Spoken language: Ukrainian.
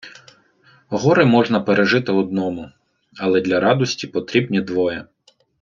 Горе можна пережити одному, але для радості потрібні двоє.